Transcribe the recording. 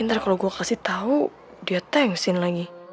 ntar kalau gue kasih tahu dia thanks in lagi